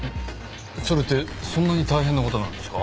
それってそんなに大変な事なんですか？